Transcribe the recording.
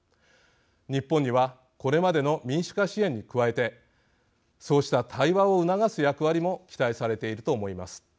日本にはこれまでの民主化支援に加えてそうした対話を促す役割も期待されていると思います。